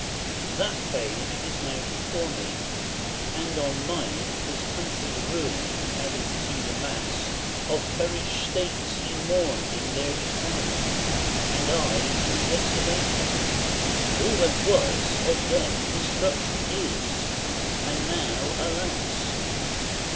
XLVI. That page is now before me, and on mine HIS country's ruin added to the mass Of perished states he mourned in their decline, And I in desolation: all that WAS Of then destruction IS; and now, alas!